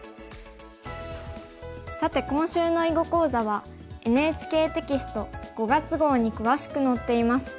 さて今週の囲碁講座はＮＨＫテキスト５月号に詳しく載っています。